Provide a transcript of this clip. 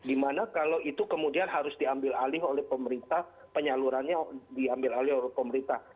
dimana kalau itu kemudian harus diambil alih oleh pemerintah penyalurannya diambil alih oleh pemerintah